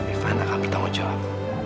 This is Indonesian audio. ivan akan bertanggung jawab